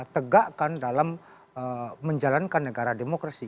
mungkin dia juga di indonesia devices quasi